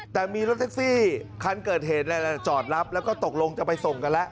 แต่มีรถแท็กซี่คันเกิดเหตุจอดรับแล้วก็ตกลงจะไปส่งกันแล้ว